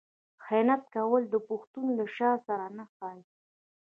خیانت کول د پښتون له شان سره نه ښايي.